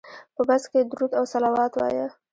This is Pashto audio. په بس کې درود او صلوات وایه.